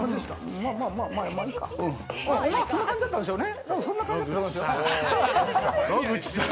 そんな感じだったんでしょうね。